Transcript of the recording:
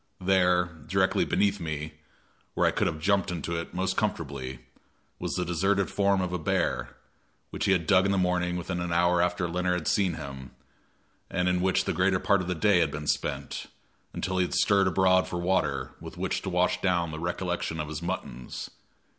There, directly beneath me, where I could have jumped into it most comfortably, was the deserted form of the bear, which he had dug in the morning within an hour after Leonard had seen him, and in which the greater part of the day had been spent, until he had stirred abroad for water, with which to wash down the recollection of his muttons.